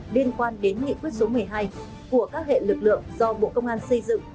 liên quan đến nghị quyết số một mươi hai của các hệ lực lượng do bộ công an xây dựng